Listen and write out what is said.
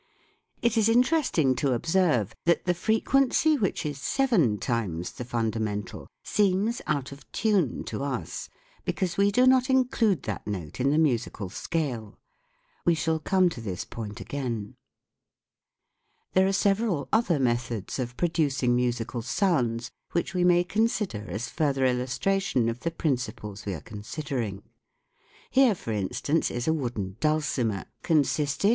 It is interesting to observe that the frequency which is seven times the fundamental seems out of tune to us because we do not include that note in the musical scale. We shall come to this point again. There are several other methods of producing musical sounds which we may consider as further illustration of the principles we are considering. Here, for instance, is a wooden dulcimer, consisting FIG. 34.